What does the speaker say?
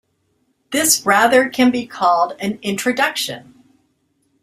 This rather can be called an introduction.